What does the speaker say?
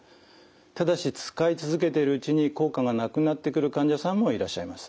ただし使い続けているうちに効果がなくなってくる患者さんもいらっしゃいます。